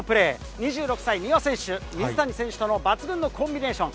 ２６歳、丹羽選手、水谷選手との抜群のコンビネーション。